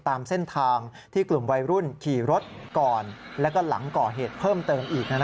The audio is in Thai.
ตามเส้นทางที่กลุ่มวัยรุ่นขี่รถก่อนและก็หลังก่อเหตุเพิ่มเติมอีก